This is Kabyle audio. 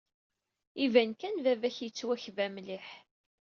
Iban kan baba-k yettwakba mliḥ.